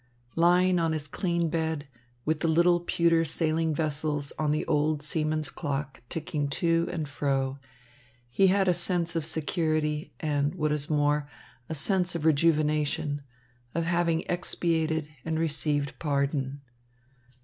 Lying on his clean bed, with the little pewter sailing vessels on the old seaman's clock ticking to and fro, he had a sense of security and, what is more, a sense of rejuvenation, of having expiated and received pardon.